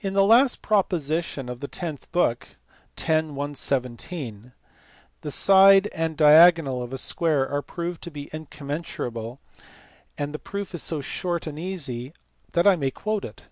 In the last proposition of the tenth book (x. 117) the side and diagonal of a square are proved to be incommensurable. The proof is so short and easy that I may quote it.